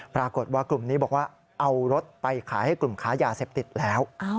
ปรากฏว่ากลุ่มนี้บอกว่าเอารถไปขายให้กลุ่มค้ายาเสพติดแล้ว